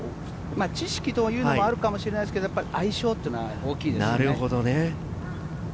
知識もあるかもしれないですが、相性というのは大きいですね。